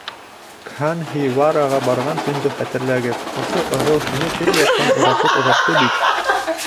Кһанһивараға барған төндө хәтерләгеҙ: ошо ырыу һине төрлө яҡтан уратып оҙатты бит.